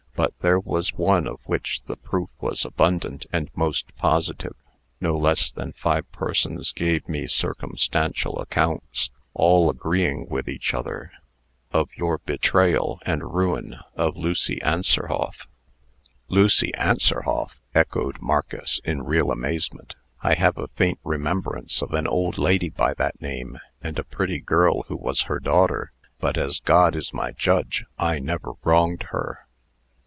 But there was one of which the proof was abundant and most positive. No less than five persons gave me circumstantial accounts all agreeing with each other of your betrayal and ruin of Lucy Anserhoff." "Lucy Anserhoff!" echoed Marcus, in real amazement. "I have a faint remembrance of an old lady by that name, and a pretty girl who was her daughter. But as God is my judge, I never wronged her."